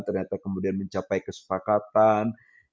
ternyata kemudian mencapai kesepakatan